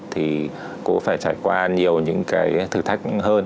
thì cũng phải trải qua nhiều những cái thử thách hơn